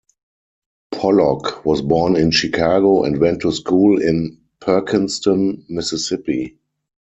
Pollock was born in Chicago and went to school in Perkinston, Mississippi.